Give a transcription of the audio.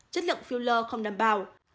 chất lượng filler không đảm bảo